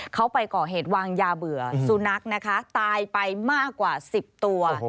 เขาไปก่อเหตุวางยาเบื่อสุนัขนะคะตายไปมากกว่า๑๐ตัว